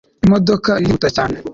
imodoka irihuta cyane